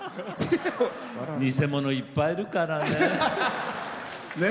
偽者がいっぱいいるからね。